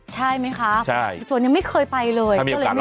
ใช่ไหมคะส่วนยังไม่เคยไปเลย